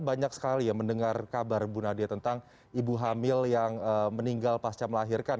banyak sekali ya mendengar kabar bu nadia tentang ibu hamil yang meninggal pasca melahirkan